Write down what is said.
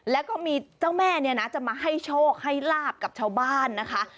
แล้วก็มีเจ้าแม่เนี่ยนะจะมาให้โชคให้ลาบกับชาวบ้านนะคะ